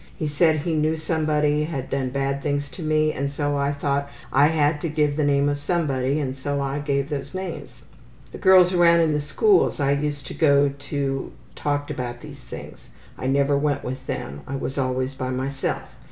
He said he knew somebody had done bad things to me and so I thought I had to give the name of somebody and so I gave those names. ``The girls around in the schools I used to go to talked about these things. I never went with them. I was always by myself.